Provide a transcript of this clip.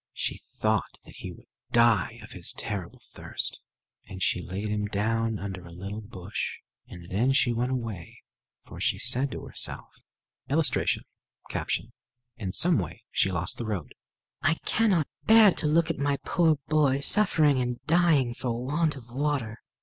She thought that he would die of his terrible thirst; and she laid him down under a little bush; and then she went away, for she said to herself: [Illustration: In some way she lost the road] "I cannot bear to look at my poor boy suffering and dying for want of water."